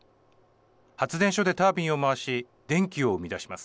発電所でタービンを回し電気を生み出します。